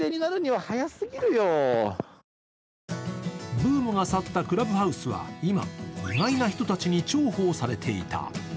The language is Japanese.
ブームが去ったＣｌｕｂｈｏｕｓｅは今、意外な人たちに重宝されていた。